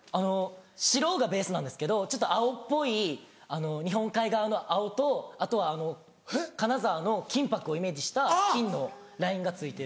白がベースなんですけどちょっと青っぽい日本海側の青とあと金沢の金箔をイメージした金のラインがついてる。